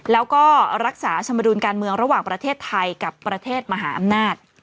แล้วก็รักษาชมดุลการเมืองระหว่างประเทศไทยกับประเทศมหาอำนาจ